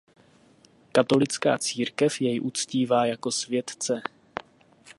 Katolická církev jej uctívá jako světce.